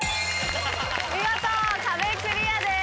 見事壁クリアです。